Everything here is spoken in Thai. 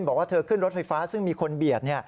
บอกว่าเธอขึ้นรถไฟฟ้าซึ่งมีคนเบียด